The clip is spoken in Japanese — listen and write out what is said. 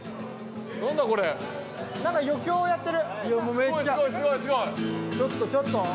何か余興やってる。